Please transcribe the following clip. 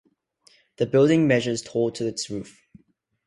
The building measures tall to its roof.